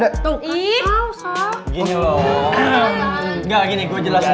gak gini gue jelasin dulu